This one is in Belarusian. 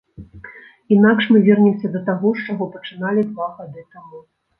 Інакш мы вернемся да таго, з чаго пачыналі два гады таму.